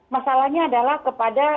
masalahnya adalah kepada